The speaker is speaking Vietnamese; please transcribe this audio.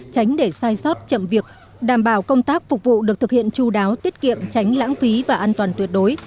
tránh để sai sót chậm việc đảm bảo công tác phục vụ được thực hiện chú đáo tiết kiệm tránh lãng phí và an toàn tuyệt đối